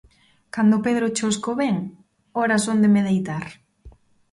Cando Pedro Chosco vén horas son de me deitar.